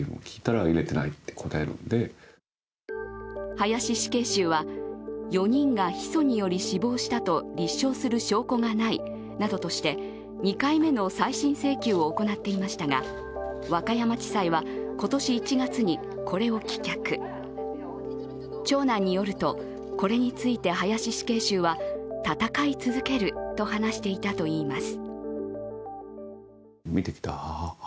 林死刑囚は４人がヒ素により死亡したと立証する証拠がないなどとして２回目の再審請求を行っていましたが和歌山地裁は今年１月にこれを棄却長男によるとこれについて林死刑囚は戦い続けると話していたといいます。